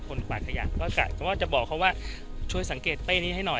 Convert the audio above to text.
กวาดขยะก็จะบอกเขาว่าช่วยสังเกตเป้นี้ให้หน่อย